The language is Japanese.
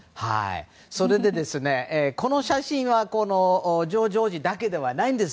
それで、この写真はジョージ王子だけではないんです。